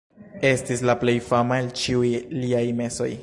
Estis la plej fama el ĉiuj liaj mesoj.